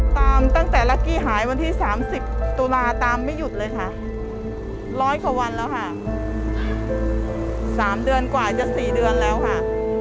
ตั้งแต่รักกี้หายวันที่๓๐ตุลาตามไม่หยุดเลยค่ะร้อยกว่าวันแล้วค่ะ๓เดือนกว่าจะ๔เดือนแล้วค่ะ